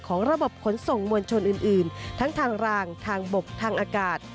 ระบบขนส่งมวลชนอื่นทั้งทางรางทางบกทางอากาศ